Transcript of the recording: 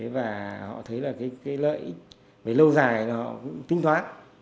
và họ thấy lợi ích lâu dài họ cũng tinh thoát